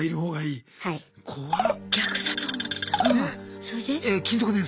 それで？